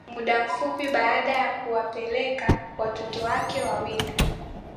Muda mfupi baada ya kuwapeleka watoto wake wawili